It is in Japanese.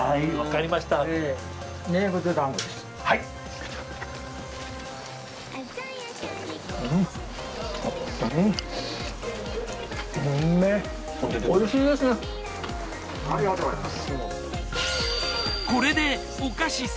やったありがとうございます。